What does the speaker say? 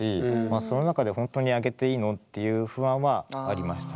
その中で本当にあげていいの？っていう不安はありました。